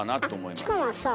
チコもそう。